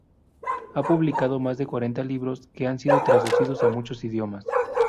Ha publicado más de cuarenta libros, que han sido traducidos a muchos idiomas.